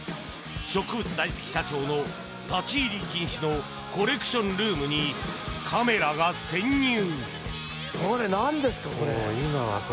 植物大好き社長の立ち入り禁止のコレクションルームにカメラが潜入！